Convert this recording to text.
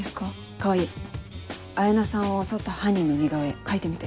川合彩菜さんを襲った犯人の似顔絵描いてみて。